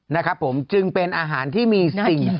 นะครับผมจึงเป็นอาหารที่มีสิ่ง